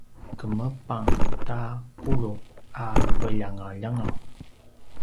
kemepang ta qulu a veljangaljangaw